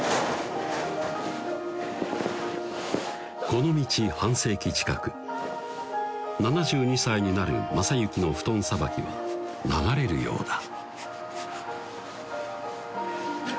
この道半世紀近く７２歳になる正行の布団さばきは流れるようだ